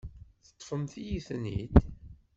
Teṭṭfemt-iyi-ten-id.